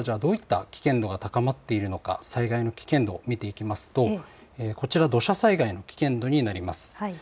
では、どういった危険度が高まっているのか災害の危険度を見ていきますとこちら土砂災害の危険度になります。